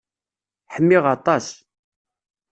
Ḥmiɣ aṭas.